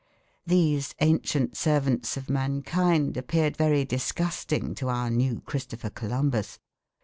These ancient servants of mankind appeared very disgusting to our new Christopher Columbus.